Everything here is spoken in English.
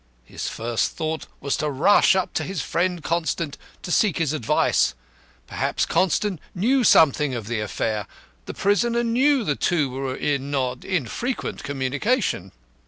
His first thought was to rush up to his friend, Constant, to seek his advice. Perhaps Constant knew something of the affair. The prisoner knew the two were in not infrequent communication.